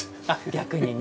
逆にね。